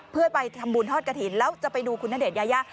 เพื่อไปทำบุญทอดกระถิ่นแล้วจะไปดูคุณณเดชนยายา